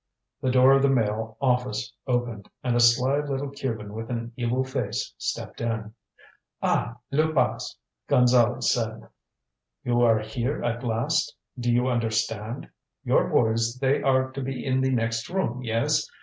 The door of the Mail office opened, and a sly little Cuban with an evil face stepped in. "Ah, Luypas," Gonzale said, "you are here at last? Do you understand? Your boys they are to be in the next room yes?